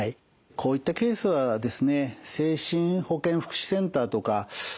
こういったケースはですね